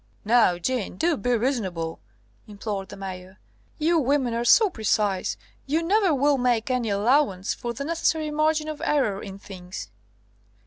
"Now, Jeanne, do be reasonable," implored the Mayor. "You women are so precise. You never will make any allowance for the necessary margin of error in things."